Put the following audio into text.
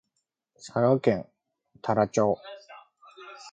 佐賀県太良町